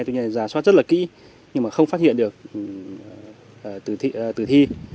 tuy nhiên giả soát rất là kỹ nhưng mà không phát hiện được tử thi